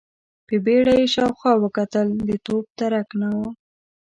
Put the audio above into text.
په بيړه يې شاوخوا وکتل، د توپ درک نه و.